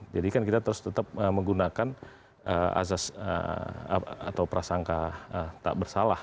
jadi kan kita terus tetap menggunakan asas atau prasangka tak bersalah